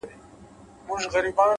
پرمختګ د تکراري هڅو حاصل دی’